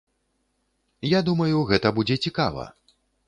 Я думаю, гэта будзе цікава.